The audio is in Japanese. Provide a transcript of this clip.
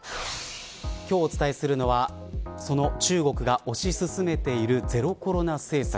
今日お伝えするのはその中国が推し進めているゼロコロナ政策。